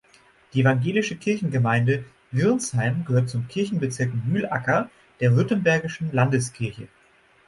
Die evangelische Kirchengemeinde Wiernsheim gehört zum Kirchenbezirk Mühlacker der Württembergischen Landeskirche.